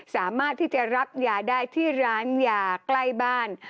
สามารถที่จะรับยาได้ที่ร้านยาใกล้บ้าน